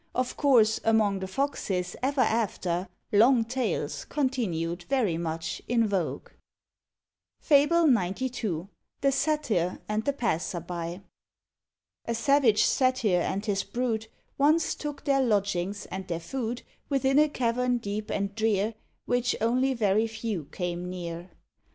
Of course, among the Foxes, ever after, Long tails continued very much in vogue. FABLE XCII. THE SATYR AND THE PASSER BY. A savage Satyr and his brood Once took their lodgings and their food Within a cavern deep and drear, Which only very few came near.